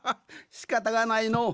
しかたがないのう。